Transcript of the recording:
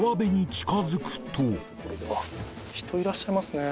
人、いらっしゃいますね。